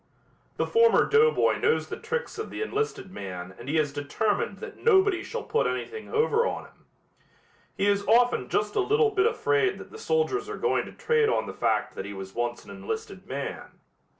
The former doughboy knows the tricks of the enlisted man and he is determined that nobody shall put anything over on him. He is often just a little bit afraid that the soldiers are going to trade on the fact that he was once an enlisted man.